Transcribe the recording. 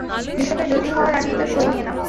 বিষয়টা জটিল হওয়ার আগেই তার সঁই নিয়ে নাও।